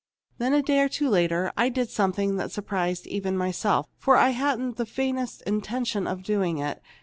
Then, a day or two later, I did something that surprised even myself, for I hadn't the faintest intention of doing it.